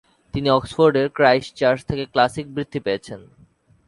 তিনি অক্সফোর্ডের Christ Church থেকে ক্লাসিক বৃত্তি পেয়েছেন।